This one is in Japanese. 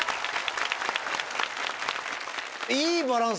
いいバランス